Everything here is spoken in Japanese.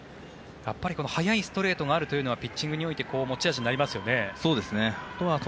速いストレートがあるというのはピッチングにおいて持ち味にありますよね。